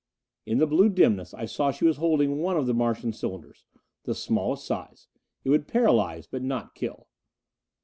In the blue dimness I saw that she was holding one of the Martian cylinders. The smallest size; it would paralyze, but not kill.